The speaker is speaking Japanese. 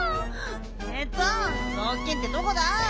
えっとぞうきんってどこだ？